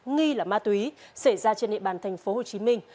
nghi là ma túy xảy ra trên địa bàn thành phố hồ chí minh